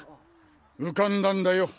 浮かんだんだよ。